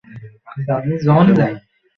ওকে, হুমম।